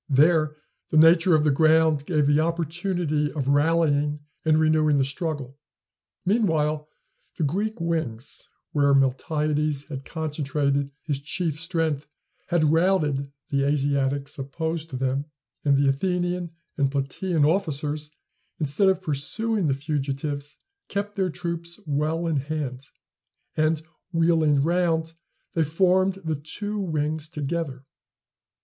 There the nature of the ground gave the opportunity of rallying and renewing the struggle. Meanwhile, the Greek wings, where Miltiades had concentrated his chief strength, had routed the Asiatics opposed to them; and the Athenian and Platæan officers, instead of pursuing the fugitives, kept their troops well in hand, and, wheeling round, they formed the two wings together.